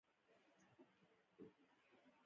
مردار ځړوکی د کولتور معنوي برخه ده